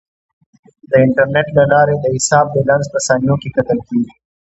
د انټرنیټ له لارې د حساب بیلانس په ثانیو کې کتل کیږي.